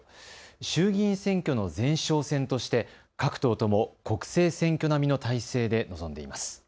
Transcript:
衆議院選挙の前哨戦として各党とも国政選挙並みの態勢で臨んでいます。